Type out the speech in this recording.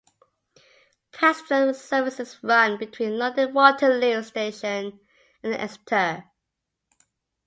Passenger services run between London Waterloo station and Exeter.